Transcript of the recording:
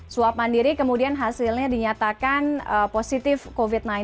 swab mandiri kemudian hasilnya dinyatakan positif covid sembilan belas